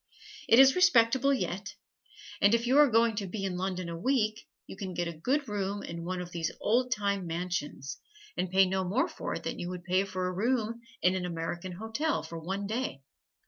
It is respectable yet, and if you are going to be in London a week you can get a good room in one of these old time mansions, and pay no more for it than you would pay for a room in an American hotel for one day.